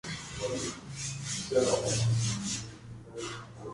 Fue recibido en destino por tres mil personas en la Estación Mapocho de Santiago.